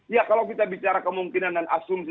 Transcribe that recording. ya kalau kita bicara kemungkinan dan asumsi